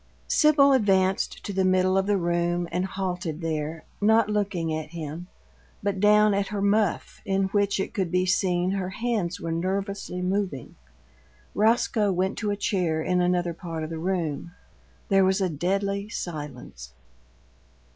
Sibyl advanced to the middle of the room and halted there, not looking at him, but down at her muff, in which, it could be seen, her hands were nervously moving. Roscoe went to a chair in another part of the room. There was a deadly silence.